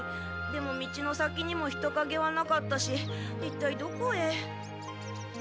でも道の先にも人かげはなかったしいったいどこへ。